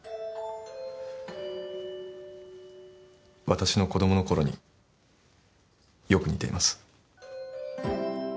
わたしの子供のころによく似ています。